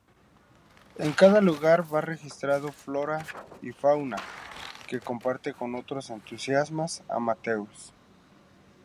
En cada lugar va registrado flora u fauna, que comparte con otros entusiastas amateurs.